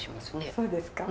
そうですか？